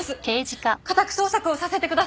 家宅捜索をさせてください！